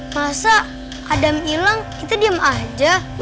masa adam hilang kita diem aja